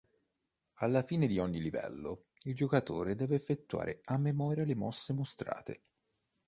Alla fine di ogni livello, il giocatore deve effettuare a memoria le mosse mostrate.